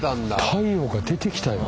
太陽が出てきたよ